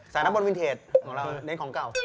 สายน้ำบ่นวินเทจของเราเน้นของเก่า